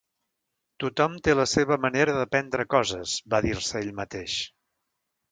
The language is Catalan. "Tothom té la seva manera d'aprendre coses", va dir-se a ell mateix.